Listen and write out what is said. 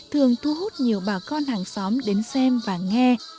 thường thu hút nhiều bà con hàng xóm đến xem và nghe